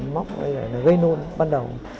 móc rồi là gây nôn ban đầu